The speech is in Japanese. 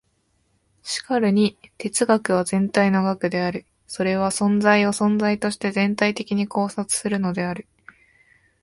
しかるに哲学は全体の学である。それは存在を存在として全体的に考察するのである。